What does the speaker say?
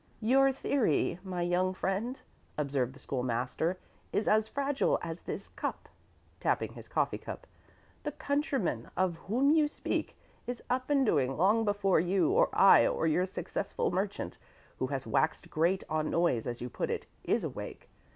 "Your theory, my young friend," observed the School master, "is as fragile as this cup" tapping his coffee cup. "The countryman of whom you speak is up and doing long before you or I or your successful merchant, who has waxed great on noise as you put it, is awake.